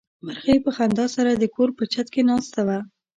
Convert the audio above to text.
مرغۍ په خندا سره د کور په چت کې ناسته وه.